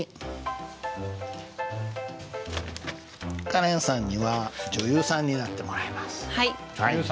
カレンさんには女優さんになってもらいます。